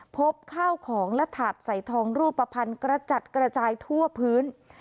พบข้าวของและถาดใส่ทองรูปภัณฑ์กระจัดกระจายทั่วพื้น